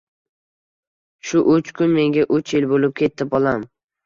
Shu uch kun menga uch yil bo‘lib ketdi, bolam